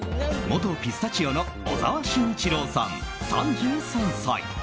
元ピスタチオの小澤慎一朗さん、３３歳。